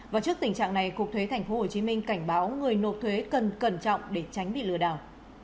và trước tình trạng này cục thuế tp hcm cảnh báo người nộp thuế cần cẩn trọng để tránh bị lừa đảo